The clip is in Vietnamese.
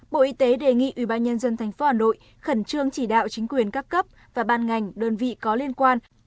bộ y tế đề nghị ủy ban nhân dân tp hà nội khẩn trương chỉ đạo chính quyền các cấp và ban ngành đơn vị có liên quan